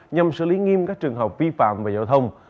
nhằm xử lý nghiêm các trường hợp vi phạm về giao thông